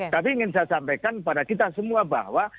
tapi ingin saya sampaikan kepada kita semua bahwa